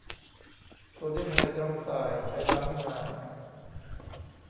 โซเดียมไฮดรอกไซด์ใช้ล้างห้องน้ำ